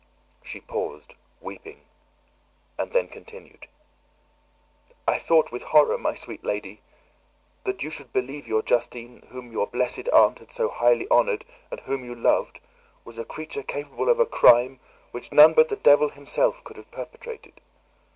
She paused, weeping, and then continued, "I thought with horror, my sweet lady, that you should believe your Justine, whom your blessed aunt had so highly honoured, and whom you loved, was a creature capable of a crime which none but the devil himself could have perpetrated.